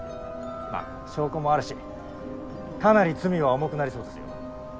まあ証拠もあるしかなり罪は重くなりそうですよ。